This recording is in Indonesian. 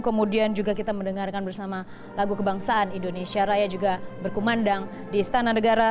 kemudian juga kita mendengarkan bersama lagu kebangsaan indonesia raya juga berkumandang di istana negara